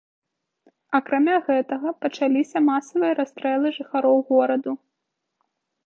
Акрамя гэтага, пачаліся масавыя расстрэлы жыхароў гораду.